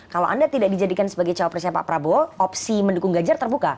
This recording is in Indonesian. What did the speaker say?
kalau anda tidak dijadikan sebagai cawapresnya pak prabowo opsi mendukung ganjar terbuka